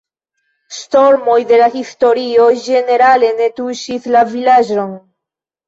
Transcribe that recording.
Ŝtormoj de la historio ĝenerale ne tuŝis la vilaĝon.